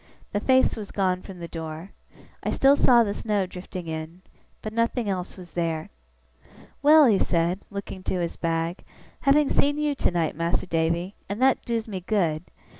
The face was gone from the door. I still saw the snow drifting in; but nothing else was there. 'Well!' he said, looking to his bag, 'having seen you tonight, Mas'r Davy (and that doos me good!)